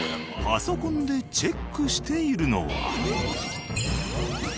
パソコンでチェックしているのは。